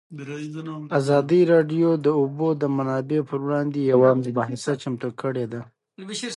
ازادي راډیو د د اوبو منابع پر وړاندې یوه مباحثه چمتو کړې.